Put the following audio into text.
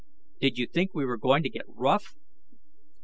Did you think we were going to get rough?"